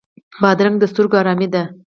بادرنګ د سترګو آرامي ده.